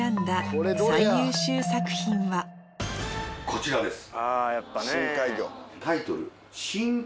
こちらです。